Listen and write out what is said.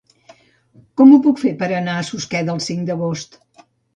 Com ho puc fer per anar a Susqueda el cinc d'agost?